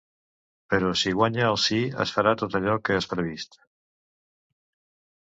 Però si guanya el sí es farà tot allò que és previst.